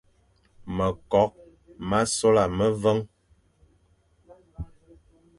Mekokh ma sola meveñ,